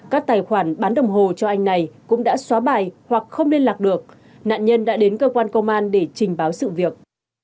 các tài khoản bán đồng hồ cho anh này cũng đã xóa bài hoặc không liên lạc được nạn nhân đã đến cơ quan công an để trình báo sự việc